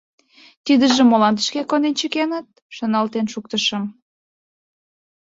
«Тидыжым молан тышке конден чыкеныт?» — шоналтен шуктышым...